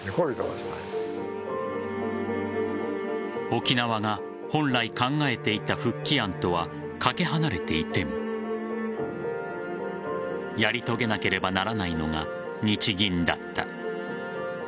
沖縄が本来考えていた復帰案とはかけ離れていてもやり遂げなければならないのが日銀だった。